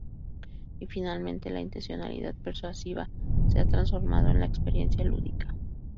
Y finalmente la intencionalidad persuasiva se ha transformado en la experiencia lúdica.